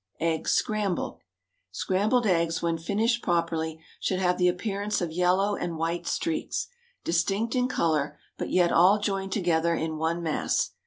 EGGS, SCRAMBLED. Scrambled eggs, when finished properly, should have the appearance of yellow and white streaks, distinct in colour, but yet all joined together in one mass.